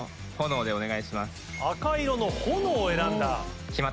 赤色の炎を選んだ。